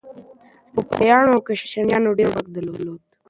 پاپانو او کشیشانو ډېر واک درلود.